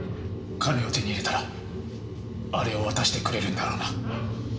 金を手に入れたらあれを渡してくれるんだろうな？